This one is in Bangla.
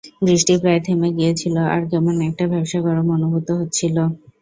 বৃষ্টি প্রায় থেমে গিয়েছিল আর কেমন একটা ভ্যাপসা গরম অনুভূত হচ্ছিল।